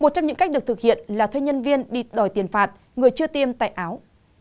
một trong những cách được thực hiện là thuê nhân viên đi đòi tiền phạt người chưa tiêm tại áo